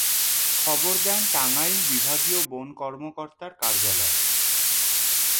খবর দেন টাঙ্গাইল বিভাগীয় বন কর্মকর্তার কার্যালয়ে।